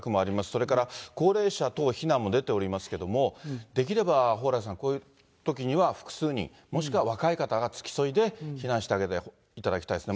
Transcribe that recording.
それから高齢者等避難も出ておりますけれども、できれば蓬莱さん、こういうときには複数人、もしくは若い方が付き添いで避難してあげていただきたいですね。